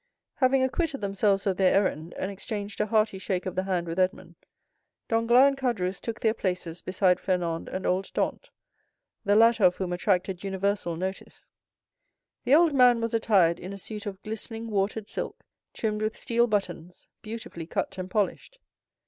Having acquitted themselves of their errand, and exchanged a hearty shake of the hand with Edmond, Danglars and Caderousse took their places beside Fernand and old Dantès,—the latter of whom attracted universal notice. The old man was attired in a suit of glistening watered silk, trimmed with steel buttons, beautifully cut and polished.